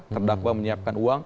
terdakwa menyiapkan uang